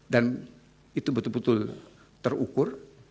dan itu betul betul terukur